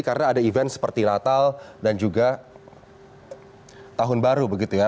karena ada event seperti latal dan juga tahun baru begitu ya